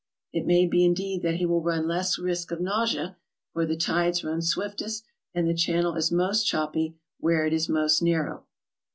It may be, indeed, that he will run less risk of nausea, for the tides run swiftest and the Channel is most choppy where it is most narrow.